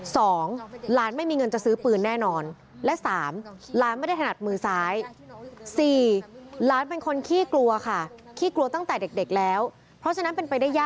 สองหลานไม่มีเงินจะซื้อปืนแน่นอน